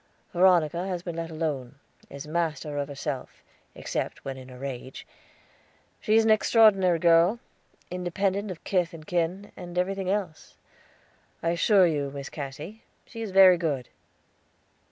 "Veronica has been let alone is master of herself, except when in a rage. She is an extraordinary girl; independent of kith and kin, and everything else. I assure you, Miss Cassy, she is very good."